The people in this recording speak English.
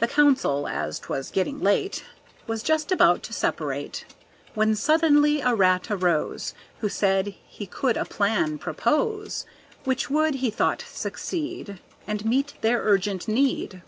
The council, as 'twas getting late, Was just about to separate, When suddenly a rat arose Who said he could a plan propose Which would, he thought, succeed And meet their urgent need.